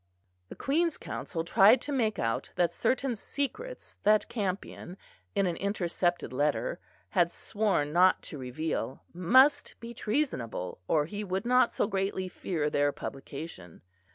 The Queen's Counsel tried to make out that certain secrets that Campion, in an intercepted letter, had sworn not to reveal, must be treasonable or he would not so greatly fear their publication.